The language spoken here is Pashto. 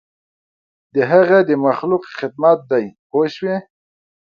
د هغه د مخلوق خدمت دی پوه شوې!.